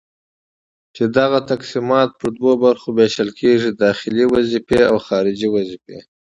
چي دغه تقسيمات پر دوو برخو ويشل کيږي:داخلي وظيفي او خارجي وظيفي